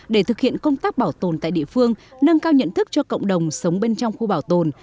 để thực hiện công tác bảo tồn tại địa phương nâng cao nhận thức cho cộng đồng sống bên trong khu bảo tồn